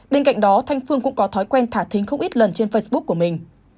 bên cạnh đó thanh phương cũng có thói quen thả thính không ít lần trên facebook của mình